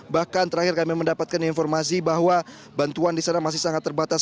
bahkan terakhir kami mendapatkan informasi bahwa bantuan di sana masih sangat terbatas